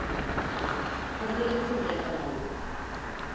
Hazırlıksız yakalandım.